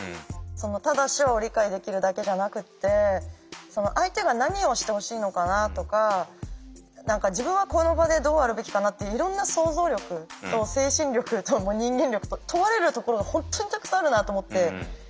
ただ手話を理解できるだけじゃなくて相手が何をしてほしいのかなとか自分はこの場でどうあるべきかなっていろんな想像力と精神力と人間力と問われるところが本当にたくさんあるなと思って。